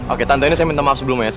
oke tante ini saya minta maaf sebelumnya